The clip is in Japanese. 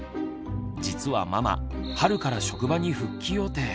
実はママ春から職場に復帰予定。